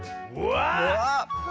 うわ！